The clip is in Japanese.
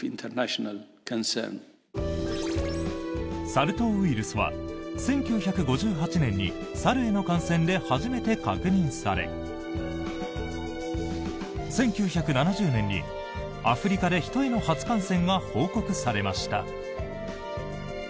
サル痘ウイルスは１９５８年に猿への感染で初めて確認され１９７０年にアフリカで人への初感染が報告されました。